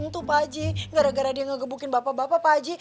tentu pak haji gara gara dia ngegebukin bapak bapak pak haji